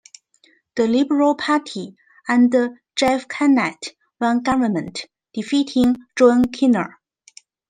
The Liberal Party, under Jeff Kennett, won government, defeating Joan Kirner.